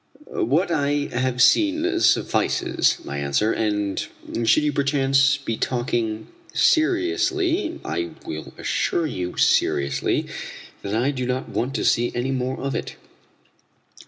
"What I have seen suffices," I answer; "and should you perchance be talking seriously I will assure you seriously that I do not want to see any more of it."